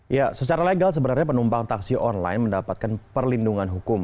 ya secara legal sebenarnya penumpang taksi online mendapatkan perlindungan hukum